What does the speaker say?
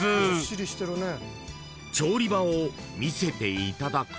［調理場を見せていただくと］